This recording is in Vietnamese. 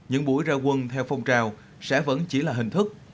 hủy ra quân theo phong trào sẽ vẫn chỉ là hình thức